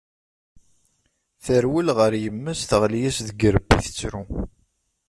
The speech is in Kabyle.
Terwel ɣer yemma-s teɣli-as deg yirebbi tettru.